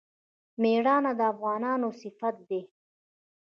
میړانه د افغانانو صفت دی.